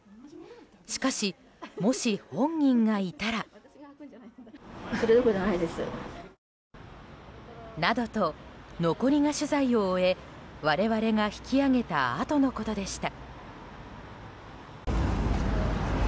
しかし、もし本人がいたら。などと、残り香取材を終え我々が引き揚げたあとのことでした。